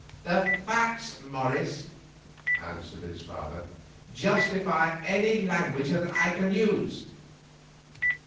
"The facts, Morris," answered his father, "justify any language that I can use."